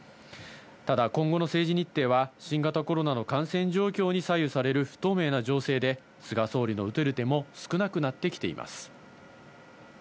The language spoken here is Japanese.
ただ今後の政治日程は新型コロナの感染状況に左右される不透明な情勢で菅総理の打てる手も少なくなってきています。